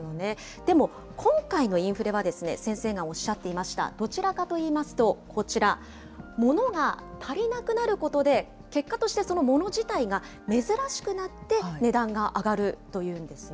でも、今回のインフレは、先生がおっしゃっていました、どちらかといいますと、こちら、モノが足りなくなることで、結果として、そのモノ自体が珍しくなって、値段が上がるというんですね。